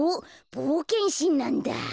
ぼうけんしんなんだ。